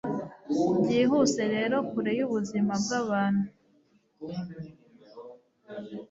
byihuse rero kure yubuzima bwabantu